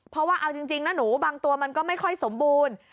เพราะว่าเอาจริงนะหนูบางตัวมันก็ไม่ค่อยสมบูรณ์